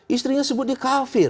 istrinya sebut dia kafir